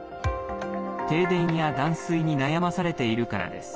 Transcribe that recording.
停電や断水に悩まされているからです。